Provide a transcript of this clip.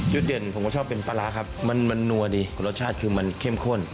เด่นผมก็ชอบเป็นปลาร้าครับมันนัวดีรสชาติคือมันเข้มข้น